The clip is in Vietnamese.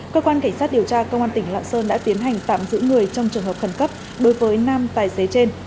cơ quan kỳ sát điều tra cơ quan tỉnh lạng sơn đã tiến hành tạm giữ người trong trường hợp khẩn cấp đối với năm tài xế trên